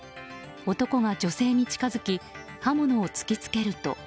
男が、女性に近づき刃物を突き付けると。